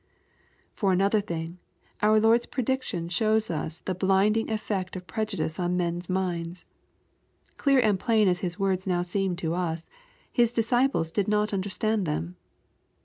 For another thing, our Lord's prediction shows us the blinding effect of prejudice on men's minds. Clear and plain as His words now seem to us. His disciples did not understand them.